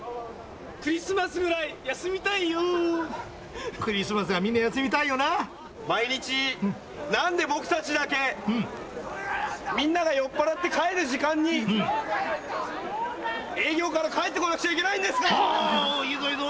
クリスマスぐらい休みクリスマスはみんな休みたい毎日なんで僕たちだけ、みんなが酔っ払って帰る時間に営業から帰ってこなくちゃいけないいいぞいいぞ。